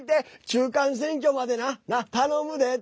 中間選挙までな？